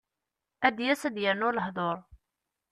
Ad d-yas ad d-yernu lehdur.